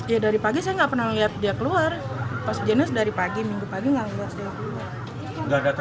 ya dari pagi saya tidak pernah melihat dia keluar pas jenis dari pagi minggu pagi tidak melihat dia keluar